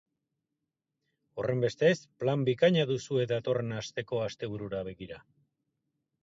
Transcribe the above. Horrenbestez, plan bikaina duzue datorren asteko asteburura begira.